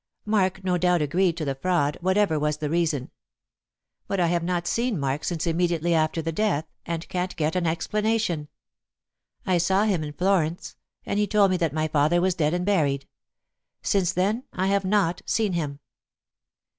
Mark no doubt agreed to the fraud, whatever was the reason. But I have not seen Mark since immediately after the death, and can't get an explanation. I saw him in Florence, and he told me that my father was dead and buried. Since then I have not seen him."